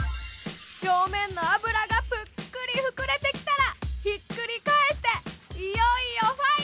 表面の脂がぷっくり膨れてきたらひっくり返していよいよファイヤー！